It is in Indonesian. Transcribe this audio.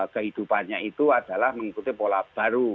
kehidupannya itu adalah mengikuti pola baru